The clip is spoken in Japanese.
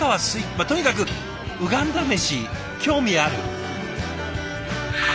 まっとにかくウガンダメシ興味ある。